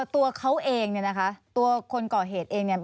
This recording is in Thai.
ตัวเขาเองเนี่ยนะคะตัวคนก่อเหตุเองเนี่ย